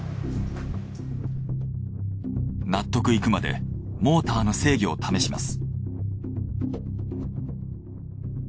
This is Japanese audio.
納得いくまでモーターの制御を試します。